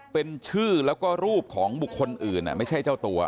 เป็นชื่อแล้วก็รูปของบุคคลอื่นไม่ใช่เจ้าตัว